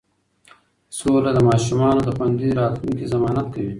سوله د ماشومانو د خوندي راتلونکي ضمانت کوي.